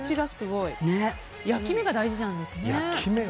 焼き目が大事なんですね。